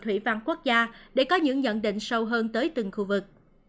thủy văn quốc gia để có những nhận định sâu hơn tới từng khu vực